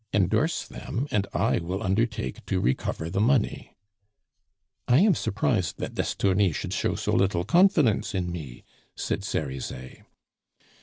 Endorse them, and I will undertake to recover the money." "I am surprised that d'Estourny should show so little confidence in me," said Cerizet.